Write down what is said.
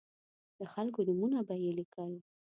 د خلکو نومونه به یې لیکل.